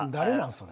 それ。